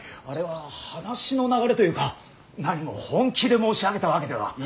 あれは話の流れというかなにも本気で申し上げたわけでは。